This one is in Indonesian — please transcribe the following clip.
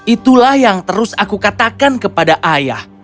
itulah yang terus aku katakan kepada ayah